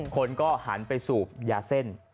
คนก็หันไปสูบยาเส้น